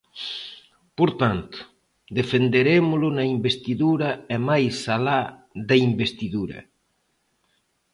Por tanto, defenderémolo na investidura e máis alá da investidura.